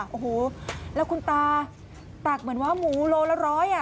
โอ้โหแล้วคุณตาตักเหมือนว่าหมูโลละร้อยอ่ะ